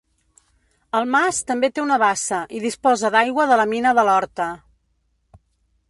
El mas també té una bassa i disposa d'aigua de la mina de l'horta.